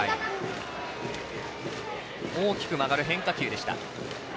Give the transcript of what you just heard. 大きく曲がる変化球でした。